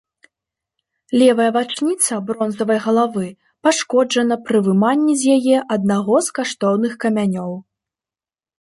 Левая вачніца бронзавай галавы пашкоджана пры выманні з яе аднаго з каштоўных камянёў.